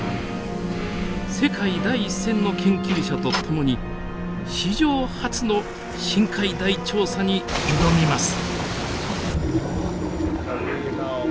世界第一線の研究者と共に史上初の深海大調査に挑みます。